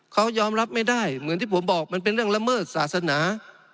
เขายอมรับไม่ได้เหมือนที่ผมบอกมันเป็นเรื่องละเมิดศาสนา